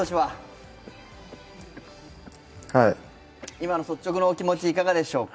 今の率直なお気持ちいかがでしょうか。